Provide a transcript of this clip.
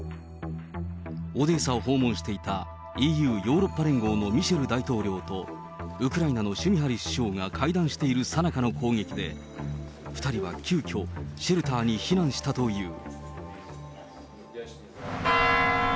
オデーサを訪問していたＥＵ・ヨーロッパ連合のミシェル大統領と、ウクライナのシュミハリ首相が会談しているさなかの攻撃で、２人は急きょ、シェルターに避難したという。